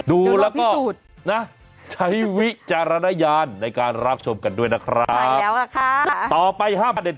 ดูแล้วก็ใช้วิจารณญาณ